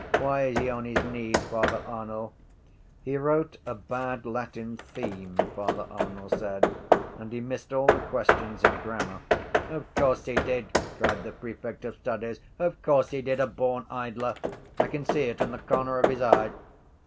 Why is he on his knees, Father Arnall? —He wrote a bad Latin theme, Father Arnall said, and he missed all the questions in grammar. —Of course he did! cried the prefect of studies, of course he did! A born idler! I can see it in the corner of his eye.